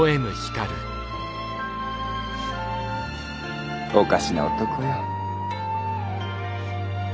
フッおかしな男よ。